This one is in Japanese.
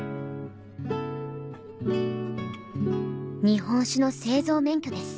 日本酒の製造免許です